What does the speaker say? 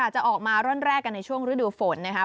จะออกมาร่อนแรกกันในช่วงฤดูฝนนะครับ